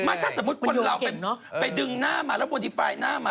ถ้าสมมุติคนเราไปดึงหน้ามาแล้วโบดีไฟล์หน้ามา